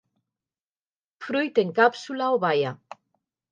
Fruit en càpsula o baia.